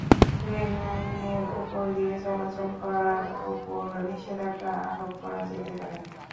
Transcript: রেললাইনের ওপর দিয়ে চলাচল করার ওপর নিষেধাজ্ঞা আরোপ করা যেতে পারে।